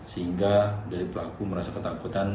sehingga dari pelaku merasa ketakutan